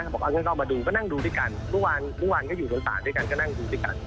บอกเอางั้นก็มาดูก็นั่งดูด้วยกันเมื่อวานก็อยู่บนศาลด้วยกันก็นั่งดูด้วยกัน